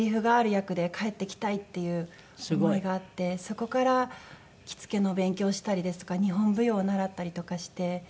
役で帰ってきたいっていう思いがあってそこから着付けの勉強をしたりですとか日本舞踊を習ったりとかして。